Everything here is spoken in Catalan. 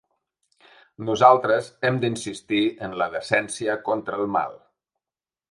Nosaltres hem d’insistir en la decència contra el mal.